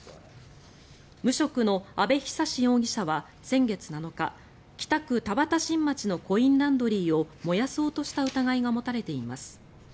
無職の阿部央容疑者は先月７日北区田端新町のコインランドリーを燃やそうとした疑いが持たれています。